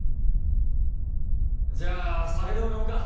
じゃあ酒でも飲むか。